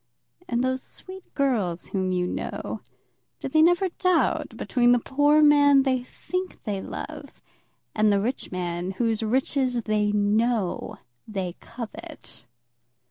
And those sweet girls whom you know, do they never doubt between the poor man they think they love, and the rich man whose riches they know they covet?